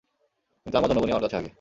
কিন্তু আমার জনগণই আমার কাছে আগে।